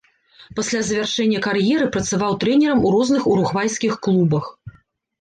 Пасля завяршэння кар'еры працаваў трэнерам у розных уругвайскіх клубах.